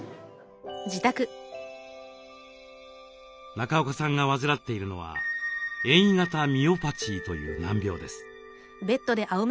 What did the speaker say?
中岡さんが患っているのは遠位型ミオパチーという難病です。